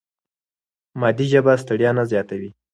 مادي ژبه ستړیا نه زیاتوي.